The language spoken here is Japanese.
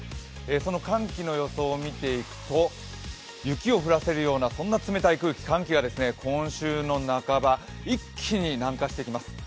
その寒気の予想をみていくと、雪を降らせるような冷たい空気、寒気が今週の半ば、一気に南下してきます。